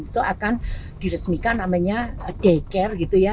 itu akan diresmikan namanya day care gitu ya